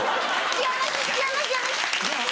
違います！